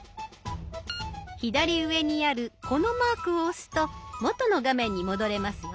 左上にあるこのマークを押すと元の画面に戻れますよ。